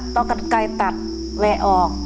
ต้องกรรไกรตัดแวะออก